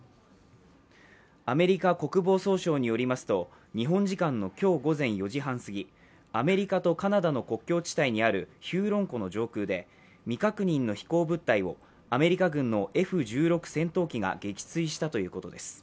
アメリカ国防総省によりますと日本時間の今日午前４時半すぎアメリカとカナダの国境地帯にあるヒューロン湖の上空で未確認の飛行物体をアメリカ軍のＦ−１６戦闘機が撃墜したということです。